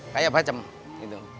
kayak bacem gitu